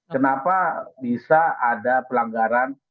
kenapa bisa ada pelanggaran